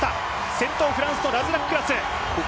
先頭、フランスのラズラククラス。